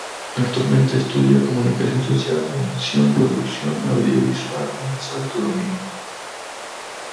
Actualmente estudia comunicación social mención producción audiovisual en Santo Domingo.